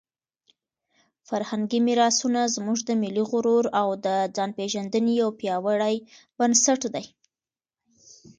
فرهنګي میراثونه زموږ د ملي غرور او د ځانپېژندنې یو پیاوړی بنسټ دی.